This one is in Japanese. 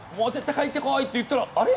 かえってこい！って言ってたらあれ？